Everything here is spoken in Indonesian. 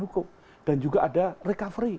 hukum dan juga ada recovery